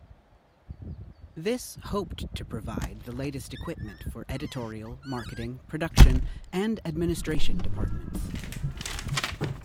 This hoped to provide the latest equipment for editorial, marketing, production and administration departments.